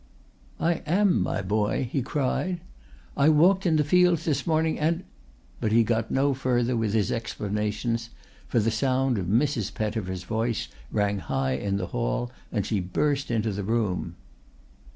"I am, my boy," he cried. "I walked in the fields this morning and " But he got no further with his explanations, for the sound of Mrs. Pettifer's voice rang high in the hall and she burst into the room.